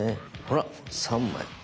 ほら３枚。